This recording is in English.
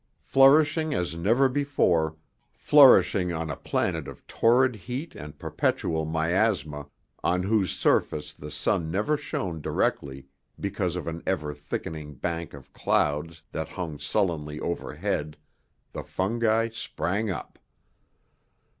Flourishing as never before, flourishing on a planet of torrid heat and perpetual miasma, on whose surface the sun never shone directly because of an ever thickening bank of clouds that hung sullenly overhead, the fungi sprang up.